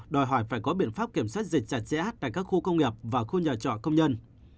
đòi hỏi phải có biện pháp kiểm soát dịch chặt chẽ tại các khu công nghiệp và khu nhà trọ công nhân